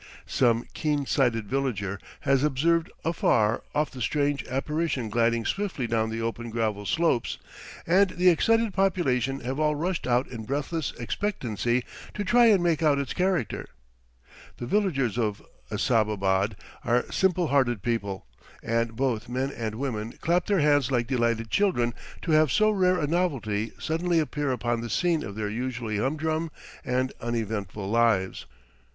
Some keen sighted villager has observed afar off the strange apparition gliding swiftly down the open gravel slopes, and the excited population have all rushed out in breathless expectancy to try and make out its character. The villagers of Assababad are simple hearted people, and both men and women clap their hands like delighted children to have so rare a novelty suddenly appear upon the scene of their usually humdrum and uneventful lives.